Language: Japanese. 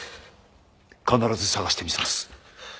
必ず捜してみせます